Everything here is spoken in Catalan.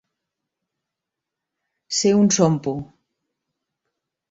Ser un sompo.